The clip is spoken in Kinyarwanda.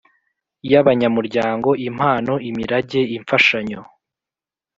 y abanyamuryango impano imirage imfashanyo